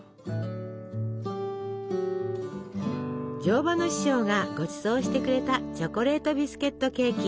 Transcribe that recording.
乗馬の師匠がごちそうしてくれたチョコレートビスケットケーキ。